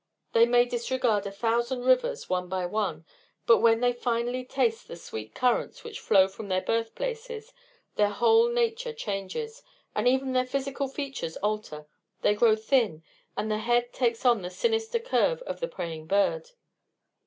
They may disregard a thousand rivers, one by one; but when they finally taste the sweet currents which flow from their birthplaces their whole nature changes, and even their physical features alter: they grow thin, and the head takes on the sinister curve of the preying bird."